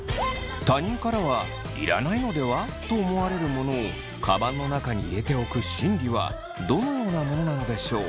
他人からは要らないのでは？と思われるものをカバンの中に入れておく心理はどのようなものなのでしょう？